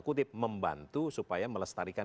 kutip membantu supaya melestarikan